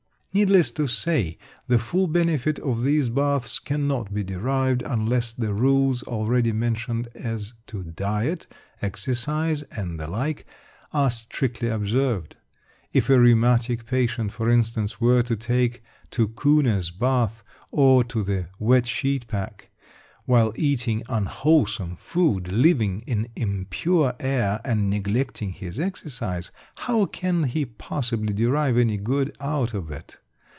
Needless to say, the full benefit of these baths cannot be derived unless the rules already mentioned as to diet, exercise and the like are strictly observed. If a rheumatic patient, for instance, were to take to Kuhne's bath or to the "Wet Sheet Pack," while eating unwholesome food, living in impure air, and neglecting his exercise, how can he possibly derive any good out of it?